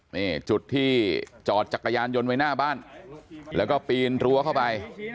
นี่จุดที่จอดจักรยานยนต์ไว้หน้าบ้านแล้วก็ปีนรั้วเข้าไป